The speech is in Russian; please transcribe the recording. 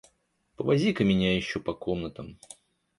Повози-ка меня еще по комнатам.